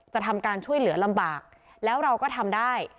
ทำการช่วยเหลือลำบากแล้วเราก็ทำได้